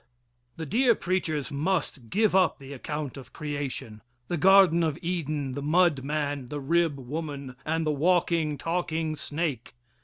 The dear preachers must give up the account of creation the Garden of Eden, the mud man, the rib woman, and the walking, talking, snake.